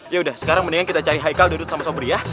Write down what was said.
yaudah sekarang mendingan kita cari haikal dodot dan sobri ya